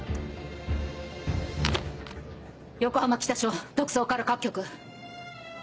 横浜北署特捜から各局。